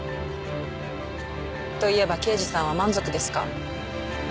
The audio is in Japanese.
と言えば刑事さんは満足ですか？